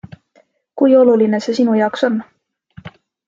Kui oluline see sinu jaoks on?